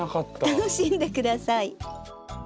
楽しんで下さい。